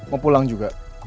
mau pulang juga